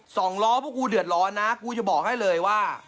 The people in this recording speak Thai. สองล้อพวกกูเดือดร้อนนะกูจะบอกให้เลยว่า